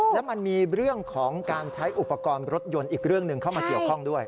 แล้วมันมีเรื่องของการใช้อุปกรณ์รถยนต์อีกเรื่องหนึ่งเข้ามาเกี่ยวข้องด้วย